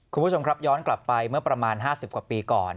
คุณผู้ชมครับย้อนกลับไปเมื่อประมาณ๕๐กว่าปีก่อน